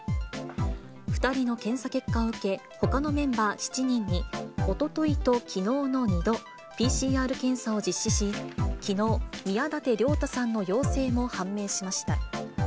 ２人の検査結果を受け、ほかのメンバー７人に、おとといときのうの２度、ＰＣＲ検査を実施し、きのう、宮舘涼太さんの陽性も判明しました。